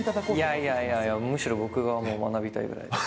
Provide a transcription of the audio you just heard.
いやいやいや、むしろ僕がもう学びたいぐらいです。